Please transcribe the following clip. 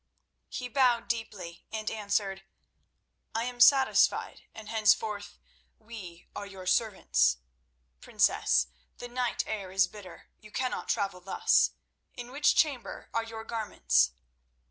He bowed deeply and answered: "I am satisfied, and henceforth we are your servants. Princess, the night air is bitter; you cannot travel thus. In which chamber are your garments?"